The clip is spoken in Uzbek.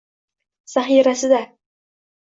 zaxirasida